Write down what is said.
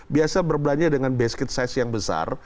biasa berbelanja dengan basket size yang besar